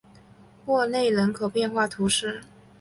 沃内人口变化图示